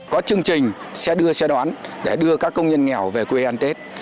có chương trình xe đưa xe đoán để đưa các công nhân nghèo về quê ăn tết